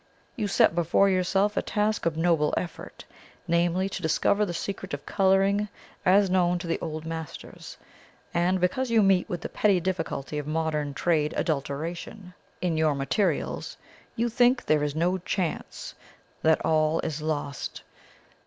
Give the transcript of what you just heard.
You set before yourself a task of noble effort, namely, to discover the secret of colouring as known to the old masters; and because you meet with the petty difficulty of modern trade adulteration in your materials, you think that there is no chance that all is lost.